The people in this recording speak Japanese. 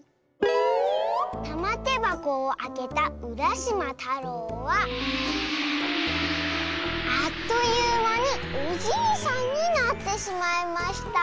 たまてばこをあけたうらしまたろうはあっというまにおじいさんになってしまいました。